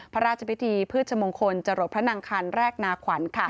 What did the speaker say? พระราชพิธีพืชมงคลจรดพระนางคันแรกนาขวัญ